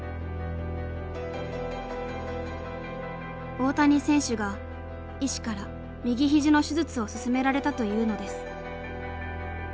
大谷選手が医師から右ひじの手術を勧められたというのです。